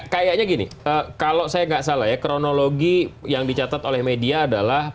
kayaknya gini kalau saya nggak salah ya kronologi yang dicatat oleh media adalah